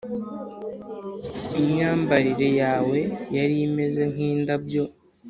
imyambarire yawe yari imeze nk'indabyo,